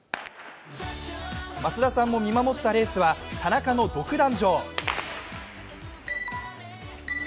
増田さんも見守ったレースは田中の独壇場。